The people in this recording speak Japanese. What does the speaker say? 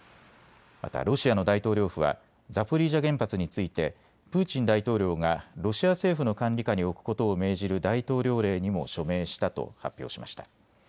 またロシアの大統領府はザポリージャ原発についてプーチン大統領がロシア政府の管理下に置くことを命じる大統領令にも署名したと発表しました。